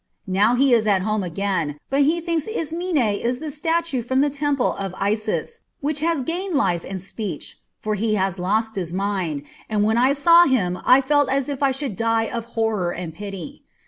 Now he is at home again, but he thinks Ismene is the statue from the Temple of Isis, which has gained life and speech; for he has lost his mind, and when I saw him I felt as if I should die of horror and pity.